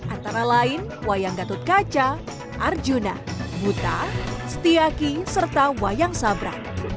antara lain wayang gatut kaca arjuna buta setiaki serta wayang sabra